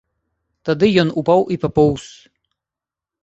Тады ён упаў і папоўз.